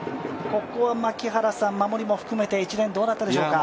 ここは守りも含めて一連、どうだったでしょうか？